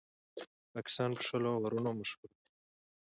پاکستان په شلو اورونو مشهور دئ.